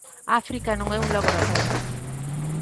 África non é un laboratorio.